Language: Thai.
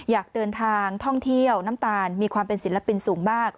อยากเดินทางท่องเที่ยวน้ำตาลมีความเป็นศิลปินสูงมาก